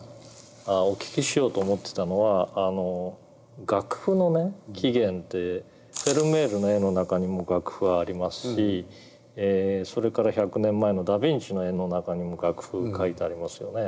ああお聞きしようと思ってたのは楽譜の起源ってフェルメールの絵の中にも楽譜はありますしそれから１００年前のダビンチの絵の中にも楽譜が描いてありますよね。